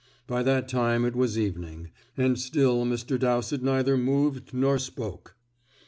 By that time it was evening. And still Mr. Dowsett neither moved or spoke.